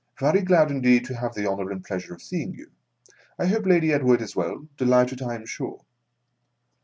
Very glad indeed to have the honour mid pleasure of seing you. I hope Lady Kdward is well. Delighted, I am sure)."